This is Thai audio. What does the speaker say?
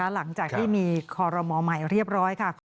หลังจากที่มีคอรมอลใหม่เรียบร้อยค่ะ